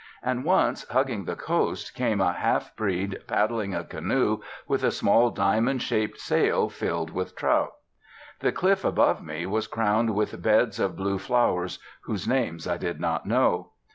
And once, hugging the coast, came a half breed paddling a canoe with a small diamond shaped sail, filled with trout. The cliff above me was crowned with beds of blue flowers, whose names I did not know.